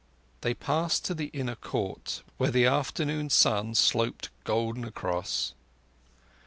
They passed to the inner court, where the afternoon sun sloped golden across.